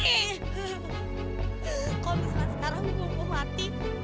kau bisa sekarang mau mati